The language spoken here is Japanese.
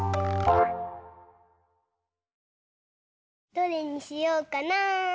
どれにしようかな。